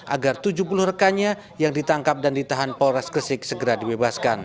agar tujuh puluh rekannya yang ditangkap dan ditahan polres gresik segera dibebaskan